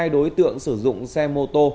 hai đối tượng sử dụng xe mô tô